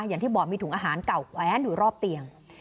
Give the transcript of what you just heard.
อย่างที่บอกมีถุงอาหารเก่าแว้นอยู่รอบเตียง